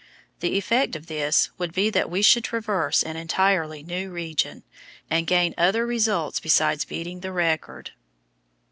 The effect of this would be that we should traverse an entirely new region, and gain other results besides beating the record.